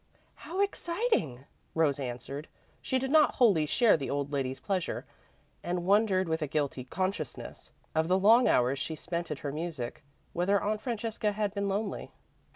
"How exciting," Rose answered. She did not wholly share the old lady's pleasure, and wondered with a guilty consciousness of the long hours she spent at her music, whether Aunt Francesca had been lonely.